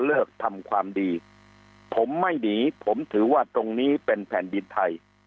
เลิกทำความดีผมไม่หนีผมถือว่าตรงนี้เป็นแผ่นดินไทย